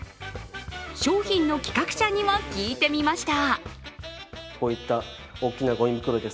商品の企画者にも聞いてみました。